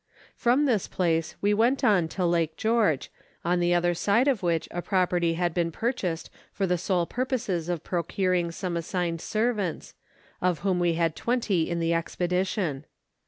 From this place we went on to Lake George, on the other side of which a property had been purchased for the sole purposes of procuring some assigned servants, of whom we had twenty in the expedition.